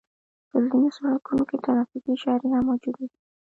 په ځينو سړکونو کې ترافيکي اشارې هم موجودې وي.